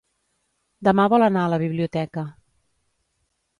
Demà vol anar a la biblioteca.